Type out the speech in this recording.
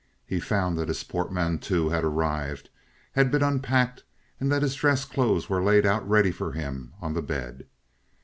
He found that his portmanteau had arrived, had been unpacked, and that his dress clothes were laid out ready for him on the bed.